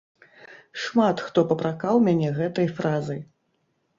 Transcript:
Шмат хто папракаў мяне гэтай фразай.